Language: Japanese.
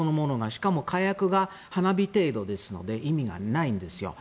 しかも、火薬が花火程度ですので意味がないんですよ。